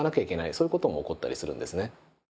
そういうことも起こったりするんですね。